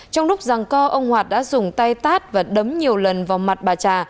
trong lúc rằng co ông hoạt đã dùng tay tát và đấm nhiều lần vào mặt bà trà